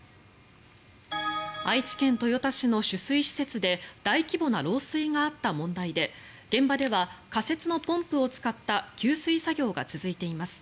愛知県豊田市の取水施設で大規模な漏水があった問題で現場では仮設のポンプを使った給水作業が続いています。